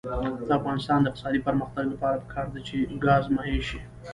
د افغانستان د اقتصادي پرمختګ لپاره پکار ده چې ګاز مایع شي.